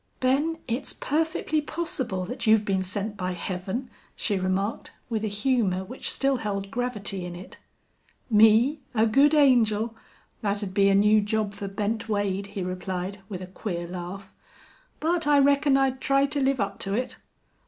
"Ben, it's perfectly possible that you've been sent by Heaven," she remarked, with a humor which still held gravity in it. "Me! A good angel? That'd be a new job for Bent Wade," he replied, with a queer laugh. "But I reckon I'd try to live up to it."